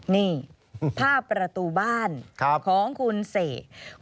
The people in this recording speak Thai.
นี่ภาพประตูบ้านของคุณเสก